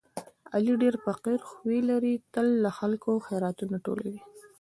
علي ډېر فقیر خوی لري، تل له خلکو خیراتونه ټولوي.